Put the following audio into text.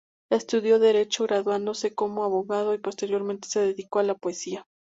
Estudió Derecho, graduándose como abogado y posteriormente se dedicó a la poesía.